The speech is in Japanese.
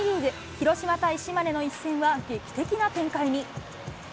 広島対島根の一戦は、劇的な展開に。